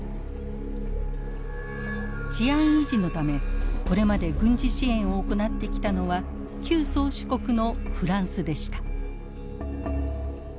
治安維持のためこれまで軍事支援を行ってきたのは旧宗主国のフランスでした。